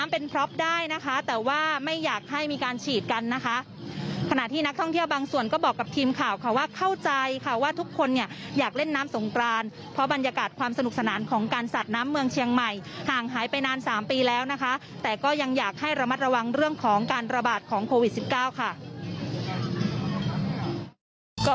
เพราะบรรยากาศความสนุกสนานของการสัดน้ำเมืองเชียงใหม่ห่างหายไปนาน๓ปีแล้วนะคะแต่ก็ยังอยากให้ระมัดระวังเรื่องของการระบาดของโควิด๑๙ค่ะ